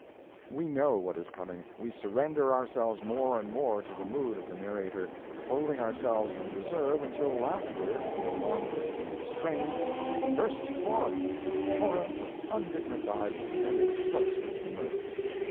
We know what is coming, we surrender ourselves more and more to the mood of the narrator, holding ourselves in reserve until laughter, no longer to be restrained, bursts forth in a torrent of undignified and explosive mirth.